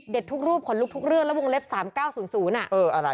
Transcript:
เด็ดทุกรูปขนลุกทุกเรื่องแล้ววงเล็บ๓๙๐๐น่ะ